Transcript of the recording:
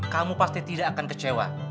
kamu pasti tidak akan kecewa